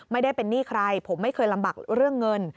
ไม่ได้เป็นหนี้ใครผมไม่เคยลำบากเรื่องเงิน